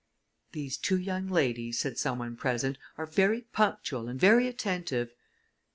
"These two young ladies," said some one present, "are very punctual, and very attentive."